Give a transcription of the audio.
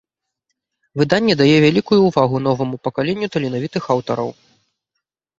Выданне дае вялікую ўвагу новаму пакаленню таленавітых аўтараў.